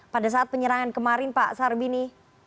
pada saat penyerangan kemarin pak sarbini